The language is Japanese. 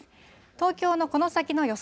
東京のこの先の予想